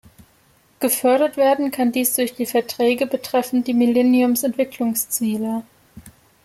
Gefördert werden kann dies durch die Verträge betreffend die Millenniums-Entwicklungsziele.